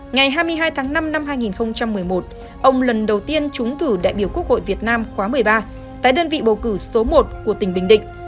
ngày hai mươi hai tháng năm năm hai nghìn một mươi một ông lần đầu tiên trúng cử đại biểu quốc hội việt nam khóa một mươi ba tại đơn vị bầu cử số một của tỉnh bình định